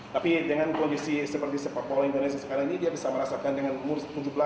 tapi dengan kondisi seperti sepak bola indonesia sekarang ini dia bisa merasakan dengan umur tujuh belas